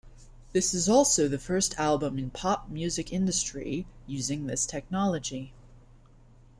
This is also the first album in pop music industry using this technology.